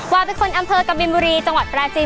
วาเป็นคนอำเภอกบินบุรีจังหวัดปราจีน